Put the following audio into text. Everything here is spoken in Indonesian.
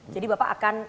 jadi bapak akan